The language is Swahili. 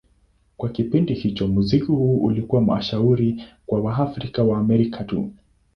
Kwa kipindi hicho, muziki huu ulikuwa mashuhuri kwa Waafrika-Waamerika tu.